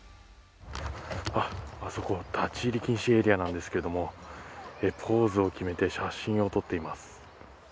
立ち入り禁止エリアなんですけどポーズを決めて写真を撮っています。